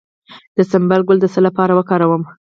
د سنبل ګل د څه لپاره وکاروم؟